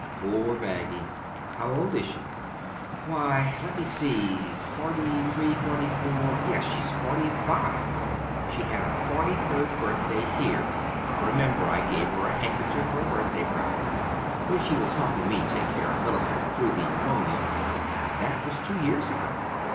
Poor Maggie!" "How old is she?" "Why, let me see—forty three, forty four—yes, she's forty five. She had her forty third birthday here—I remember I gave her a handkerchief for a birthday present—when she was helping me take care of Mellicent through the pneumonia; and that was two years ago.